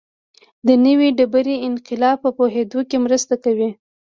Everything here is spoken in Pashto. د نوې ډبرې انقلاب په پوهېدو کې مرسته کوي